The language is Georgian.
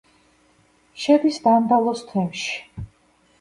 შედის დანდალოს თემში.